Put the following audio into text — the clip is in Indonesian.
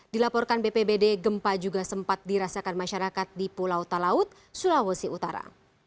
dilaporkan bpbd gempa juga sempat dirasakan masyarakat di pulau talaut sulawesi utara